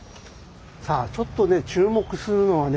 さあちょっとね注目するのはね